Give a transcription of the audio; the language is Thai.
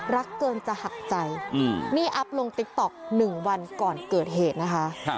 รักเกินจะหักใจนี่อัพลงติ๊กต๊อก๑วันก่อนเกิดเหตุนะคะ